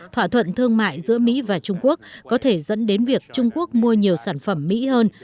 thỏa thuận thương mại giữa mỹ và trung quốc có thể dẫn đến việc trung quốc mua nhiều sản phẩm mỹ hơn